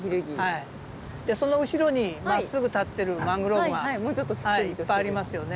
その後ろにまっすぐ立ってるマングローブがいっぱいありますよね